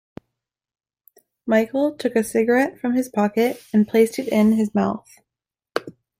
Michael took a cigarette from his pocket and placed it in his mouth.